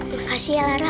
makasih ya lara